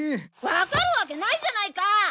わかるわけないじゃないか！